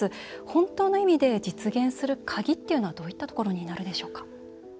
本当の意味で実現する鍵っていうのはどういったところになるでしょうか？